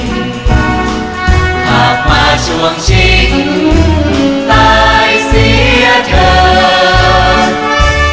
พากมาช่วงชิงตายเสียเถิด